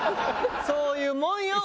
そういうもんよ